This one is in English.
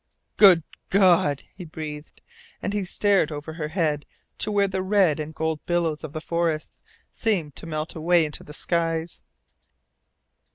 "Good God!" he breathed, and he stared over her head to where the red and gold billows of the forests seemed to melt away into the skies.